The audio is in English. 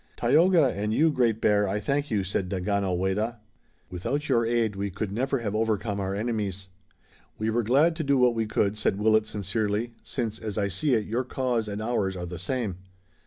"Tayoga, and you, Great Bear, I thank you," said Daganoweda. "Without your aid we could never have overcome our enemies." "We were glad to do what we could," said Willet sincerely, "since, as I see it, your cause and ours are the same."